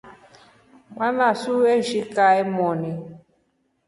Mwana su eshi kaa mwoni.